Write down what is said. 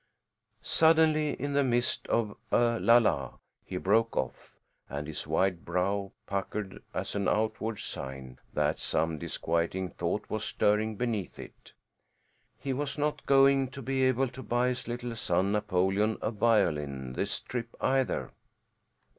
Suddenly in the midst of a "la la," he broke off, and his wide brow puckered as an outward sign that some disquieting thought was stirring beneath it. He was not going to be able to buy his little son Napoleon a violin this trip either.